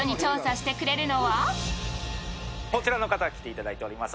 こちらの方、来ていただいています。